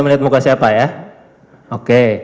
melihat muka siapa ya oke